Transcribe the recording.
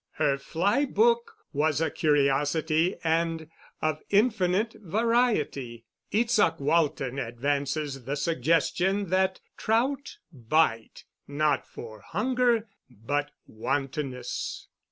Her fly book was a curiosity and of infinite variety. Izaak Walton advances the suggestion that trout bite "not for hunger, but wantonness."